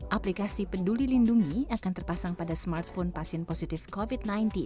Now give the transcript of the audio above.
aplikasi peduli lindungi akan terpasang pada smartphone pasien positif covid sembilan belas